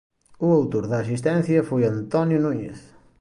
O autor da asistencia foi Antonio Núñez.